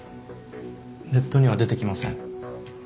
ネットには出てきません。